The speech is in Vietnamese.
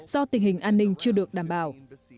do tình hình an ninh chưa được đảm bảo